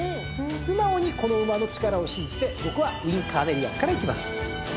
素直にこの馬の力を信じて僕はウインカーネリアンからいきます。